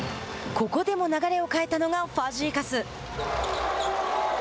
ここでも流れを変えたのがファジーカス。